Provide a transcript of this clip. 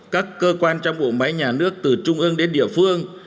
các cơ quan trong bộ máy nhà nước từ trung ương đến địa phương